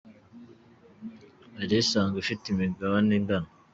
yari isanzwe ifite imigabane ingana.